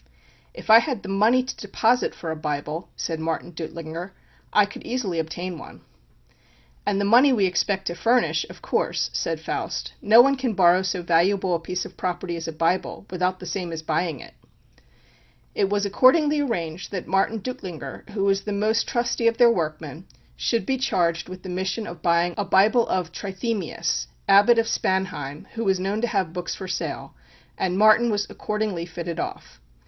"If I had the money to deposit for a Bible," said Martin Duttlinger, "I could easily obtain one." "And the money we expect to furnish, of course," said Faust. "No one can borrow so valuable a piece of property as a Bible, without the same as buying it." It was accordingly arranged that Martin Duttlinger, who was the most trusty of their workmen, should be charged with the mission of buying a Bible of Trithemius, Abbot of Spanheim, who was known to have books for sale; and Martin was accordingly fitted off.